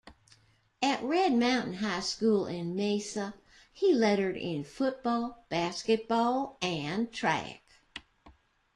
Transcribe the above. At Red Mountain High School in Mesa, he lettered in football, basketball, and track.